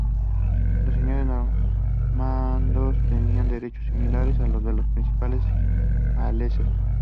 Los Señores Normandos tenían derechos similares a los de los príncipes galeses.